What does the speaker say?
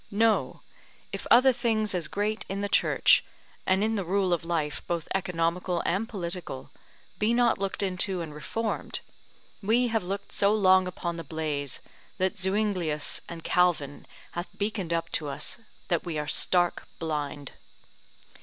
No, if other things as great in the Church, and in the rule of life both economical and political, be not looked into and reformed, we have looked so long upon the blaze that Zuinglius and Calvin hath beaconed up to us, that we are stark blind.